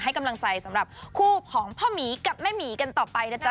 กำลังใจสำหรับคู่ของพ่อหมีกับแม่หมีกันต่อไปนะจ๊